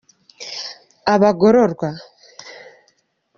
abagororwa.